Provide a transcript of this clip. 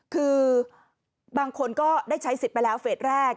คือบางคนก็ได้ใช้สิทธิ์ไปแล้วเฟสแรก